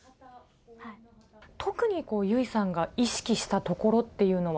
特に由依さんが意識したところっていうのは？